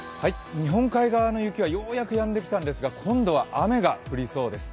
日本海側の雪はようやくやんできたんですが、今度は雨が降りそうです。